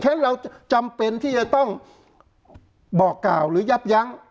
ฉะเราจำเป็นที่จะต้องบอกกล่าวหรือยับยั้ง